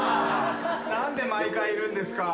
何で毎回いるんですか？